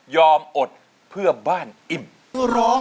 ยอมอดเพื่อบ้านอิ่ม